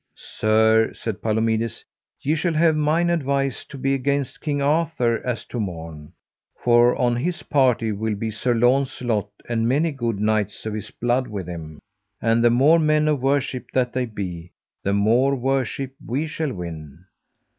Sir, said Palomides, ye shall have mine advice to be against King Arthur as to morn, for on his party will be Sir Launcelot and many good knights of his blood with him. And the more men of worship that they be, the more worship we shall win.